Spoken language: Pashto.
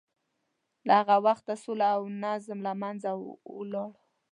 له هغه وخته سوله او نظم له منځه ولاړ.